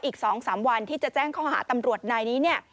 อีก๒๓วันที่จะแจ้งข้อหาตำรวจนายนี้เนี่ย